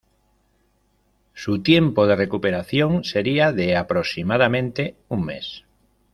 Su tiempo de recuperación sería de aproximadamente un mes.